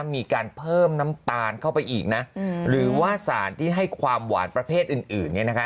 มีการเพิ่มน้ำตาลเข้าไปอีกนะหรือว่าสารที่ให้ความหวานประเภทอื่นเนี่ยนะคะ